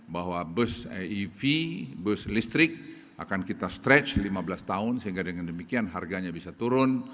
bahwa bus aev bus listrik akan kita stretch lima belas tahun sehingga dengan demikian harganya bisa turun